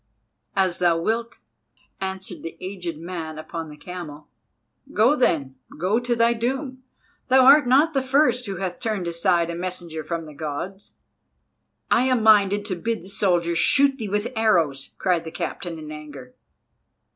"As thou wilt," answered the aged man upon the camel; "go then, go to thy doom! thou art not the first who hath turned aside a messenger from the Gods." "I am minded to bid the soldiers shoot thee with arrows," cried the captain in anger.